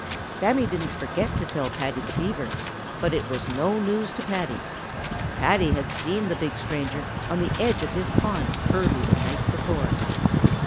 Sammy didn't forget to tell Paddy the Beaver, but it was no news to Paddy. Paddy had seen the big stranger on the edge of his pond early the night before.